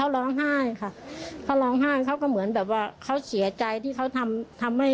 หลบถาดมาทางบ้านหรือเปล่าเราไม่ทราบนะ